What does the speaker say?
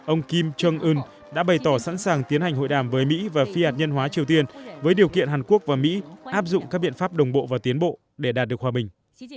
ông kim jong un đã bày tỏ sẵn sàng tiến hành hội đàm với mỹ và phi hạt nhân hóa triều tiên với điều kiện hàn quốc và mỹ áp dụng các biện pháp đồng bộ và tiến bộ để đạt được hòa bình